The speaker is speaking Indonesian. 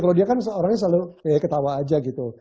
kalau dia kan orangnya selalu ketawa aja gitu